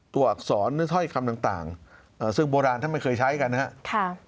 อักษรหรือถ้อยคำต่างซึ่งโบราณท่านไม่เคยใช้กันนะครับ